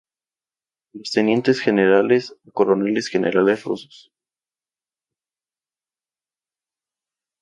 Los Tenientes generales a Coroneles Generales rusos.